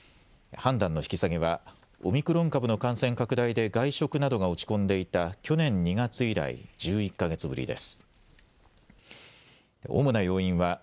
判断の引き下げはオミクロン株の感染拡大で外食などが落ち込んでいた去年２月以来、１１か月ぶりです。